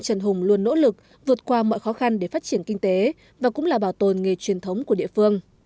trần hùng luôn nỗ lực vượt qua mọi khó khăn để phát triển kinh tế và cũng là bảo tồn nghề truyền thống của địa phương